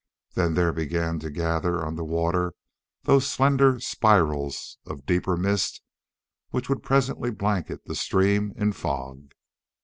Then there began to gather on the water those slender spirals of deeper mist which would presently blanket the stream in fog.